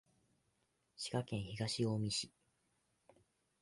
滋賀県東近江市